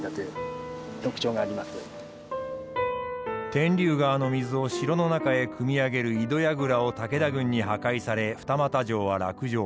天竜川の水を城の中へくみ上げる井戸櫓を武田軍に破壊され二俣城は落城。